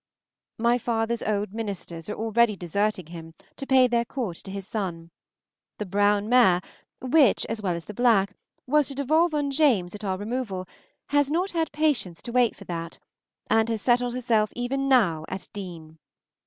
My father's old ministers are already deserting him to pay their court to his son. The brown mare, which, as well as the black, was to devolve on James at our removal, has not had patience to wait for that, and has settled herself even now at Deane.